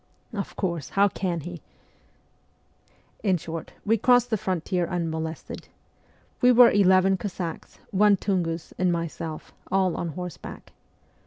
' Of course, how can he ?' In short, we crossed the frontier unmolested. We were eleven Cossacks, one Tungus, and myself, all on horseback.